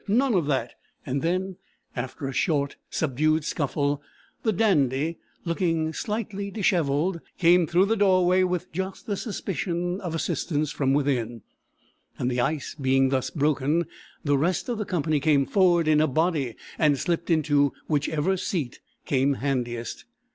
none of that"; and then, after a short subdued scuffle, the Dandy, looking slightly dishevelled, came through the doorway with just the suspicion of assistance from within; and the ice being thus broken the rest of the company came forward in a body and slipped into whichever seat came handiest.